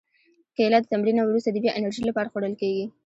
کېله د تمرین نه وروسته د بیا انرژي لپاره خوړل کېږي.